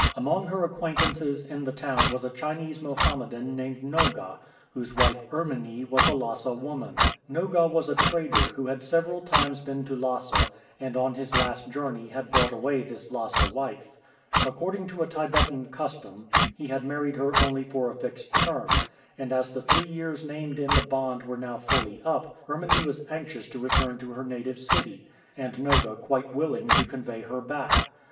Among her acquaintances in the town was a Chinese Mohammedan named Noga, whose wife, Erminie, was a Lhasa woman. Noga was a trader who had several times been to Lhasa, and on his last journey had brought away this Lhasa wife. According to a Tibetan custom, he had married her only for a fixed term, and as the three years named in the bond were now fully up, Erminie was anxious to return to her native city, and Noga quite willing to convey her back.